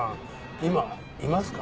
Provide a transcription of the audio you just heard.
今いますか？